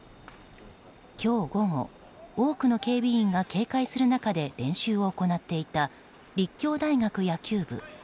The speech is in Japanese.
今日午後、多くの警備員が警戒する中で練習を行ってきた立教大学野球部。